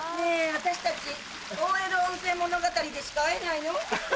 私たち大江戸温泉物語でしか会えないの？